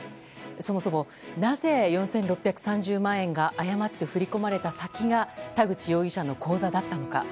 そもそも、なぜ４６３０万円が誤って振り込まれた先が田口容疑者の口座だったのか。